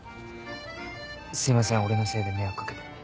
すいません俺のせいで迷惑掛けて。